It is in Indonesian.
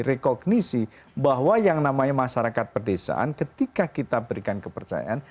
rekognisi bahwa yang namanya masyarakat perdesaan ketika kita berikan kepercayaan